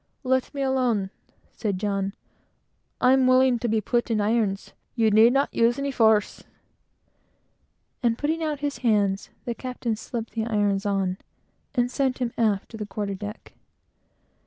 "Let me alone," said John. "I'm willing to be put in irons. You need not use any force;" and putting out his hands, the captain slipped the irons on, and sent him aft to the quarter deck.